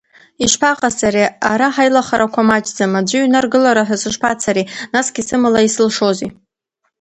Ишԥаҟасҵари, ара ҳаилахарақәа маҷӡам, аӡәы иҩны аргылара ҳәа сышԥацари, насгьы сымала исылшозеи?